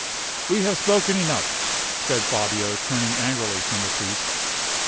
"We have spoken enough," said Fabio, turning angrily from the priest.